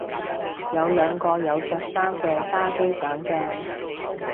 有兩個有着衫嘅揸機掌鏡